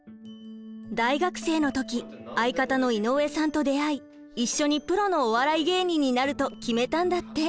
大学生の時相方の井上さんと出会い一緒にプロのお笑い芸人になると決めたんだって。